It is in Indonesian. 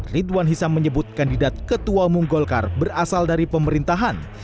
ridwan hisam menyebut kandidat ketua umum golkar berasal dari pemerintahan